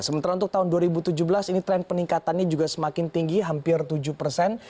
sementara untuk tahun dua ribu tujuh belas ini tren peningkatannya juga semakin tinggi hampir tujuh persen